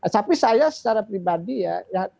tapi saya secara pribadi ya